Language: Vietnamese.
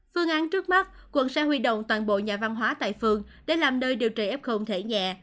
phương án trước mắt quận sẽ huy động toàn bộ nhà văn hóa tại phường để làm nơi điều trị f thể nhẹ